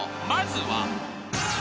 ［まずは］